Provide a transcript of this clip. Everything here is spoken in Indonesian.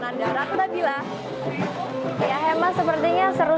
saatnya saya tidak menurut ini akan berjalan semoga seperti yang anda trying to explain